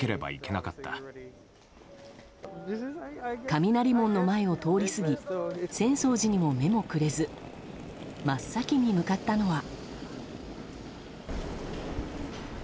雷門の前を通り過ぎ浅草寺にも目もくれず真っ先に向かったのは。